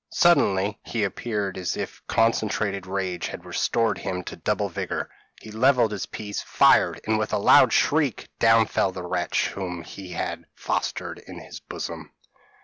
Suddenly he appeared as if concentrated rage had restored him to double vigour; he levelled his piece, fired, and with a loud shriek down fell the wretch whom he had fostered in his bosom.